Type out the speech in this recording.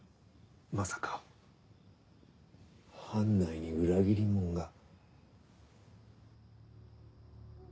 まさか藩内に裏切り者が。